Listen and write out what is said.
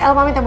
el pamit ya bu